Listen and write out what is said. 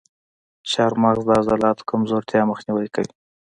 چارمغز د عضلاتو کمزورتیا مخنیوی کوي.